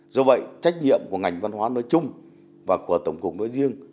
do vậy trách nhiệm của ngành văn hóa nói chung và của tổng cục nói riêng